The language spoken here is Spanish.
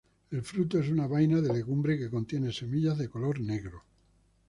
El fruto es una vaina de legumbre que contiene semillas de color negro.